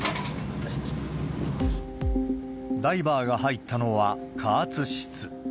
ダイバーが入ったのは加圧室。